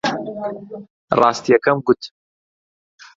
ڕاستییەکەم گوت.